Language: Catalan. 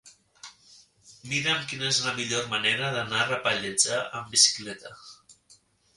Mira'm quina és la millor manera d'anar a Pallejà amb bicicleta.